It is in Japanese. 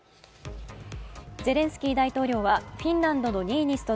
ゼレンスキー大統領はフィンランドのニーニスト